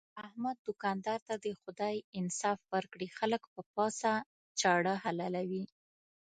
احمد دوکاندار ته دې خدای انصاف ورکړي، خلک په پڅه چاړه حلالوي.